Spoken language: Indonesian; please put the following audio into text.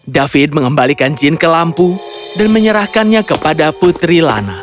david mengembalikan jin ke lampu dan menyerahkannya kepada putri lana